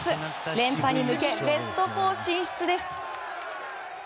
連覇に向けベスト４進出です。